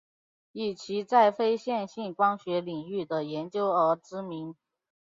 以其在非线性光学领域的研究而知名。